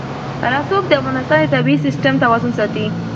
رسوب د افغانستان د طبعي سیسټم توازن ساتي.